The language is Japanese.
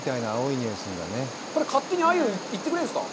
これ、勝手にアユ、行ってくれるんですか？